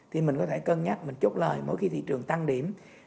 thì mình có thể cân nhắc mình chốt lời mỗi khi thị trường tăng điểm